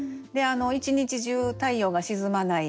一日中太陽が沈まない。